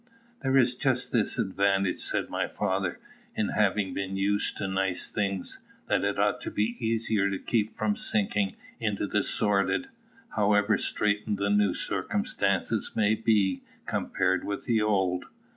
"There is just this advantage," said my father, "in having been used to nice things, that it ought to be easier to keep from sinking into the sordid, however straitened the new circumstances may be, compared with the old."